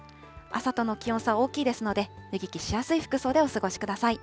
朝との気温差、大きいですので、脱ぎ着しやすい服装でお過ごしください。